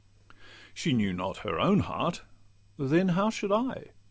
She knew not her own heart; then how should I?